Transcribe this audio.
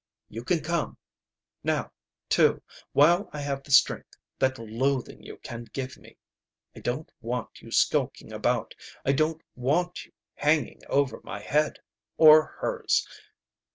You can come! Now, too, while I have the strength that loathing you can give me. I don't want you skulking about. I don't want you hanging over my head or hers!